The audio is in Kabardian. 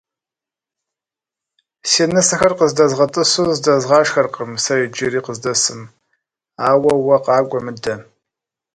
Си нысэхэр къыздэзгъэтӏысу здэзгъашхэркъым сэ иджыри къыздэсым, ауэ уэ къакӏуэ мыдэ.